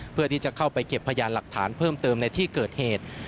เพื่อที่จะเข้าไปเก็บพยานหลักฐานเพิ่มเติมในที่เกิดเหตุ